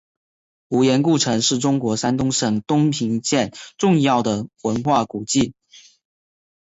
无盐故城是中国山东省东平县重要的文化古迹。